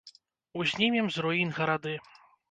Узнімем з руін гарады.